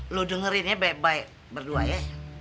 lu dengerin ya baik baik berdua ya